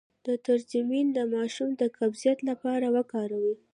د ترنجبین د ماشوم د قبضیت لپاره وکاروئ